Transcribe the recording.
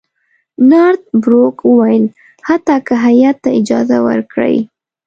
نارت بروک وویل حتی که هیات ته اجازه ورکړي.